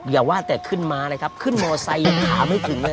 อย่าว่าแต่ขึ้นมาเลยครับขึ้นมอไซค์ยังหาไม่ถึงเลย